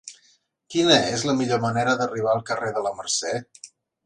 Quina és la millor manera d'arribar al carrer de la Mercè?